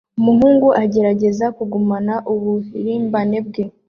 Umuhungu agerageza kugumana uburimbane bwe